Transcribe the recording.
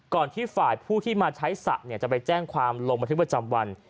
ที่ฝ่ายผู้ที่มาใช้สระจะไปแจ้งความลงบันทึกประจำวัน